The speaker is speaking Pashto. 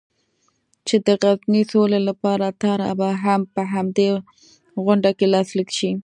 چې د غزې سولې لپاره طرحه به هم په همدې غونډه کې لاسلیک شي.